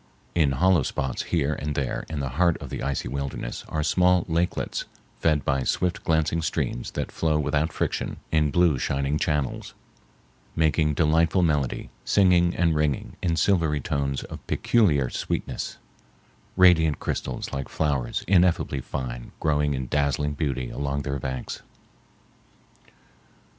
In hollow spots here and there in the heart of the icy wilderness are small lakelets fed by swift glancing streams that flow without friction in blue shining channels, making delightful melody, singing and ringing in silvery tones of peculiar sweetness, radiant crystals like flowers ineffably fine growing in dazzling beauty along their banks.